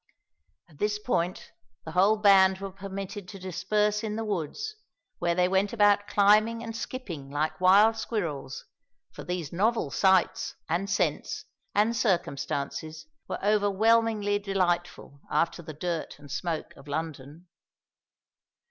At this point the whole band were permitted to disperse in the woods, where they went about climbing and skipping like wild squirrels, for these novel sights, and scents, and circumstances were overwhelmingly delightful after the dirt and smoke of London.